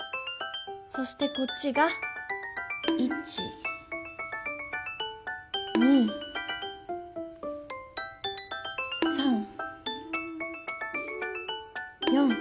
そしてこっちが１２３４。